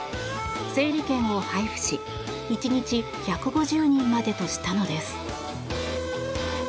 整理券を配布し１日１５０人までとしたのです。